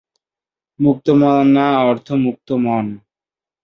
মুক্তমনা অর্থ "মুক্ত মন"।